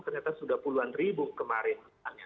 ternyata sudah puluhan ribu kemarin